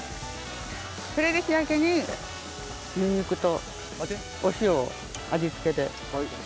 それで仕上げににんにくとお塩を味付けで。